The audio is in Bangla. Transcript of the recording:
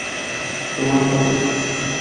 তোমার তাতে কী?